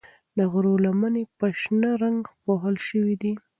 د غرو لمنې په شنه رنګ پوښل شوي دي.